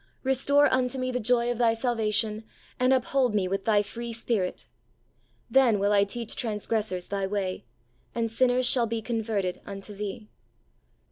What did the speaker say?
Restore unto me the joy of Thy salvation, and uphold me with Thy free Spirit. Then will I teach transgressors Thy way, and sinners shall be converted unto Thee" {Ps.